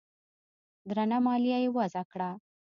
درنه مالیه یې وضعه کړه